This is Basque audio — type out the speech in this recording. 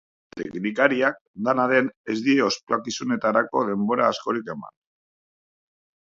Teknikariak, dena den, ez die ospakizunetarako denbora askorik eman.